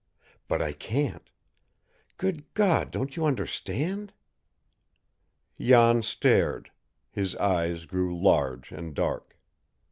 But I can't. Good God, don't you understand?" Jan stared. His eyes grew large and dark.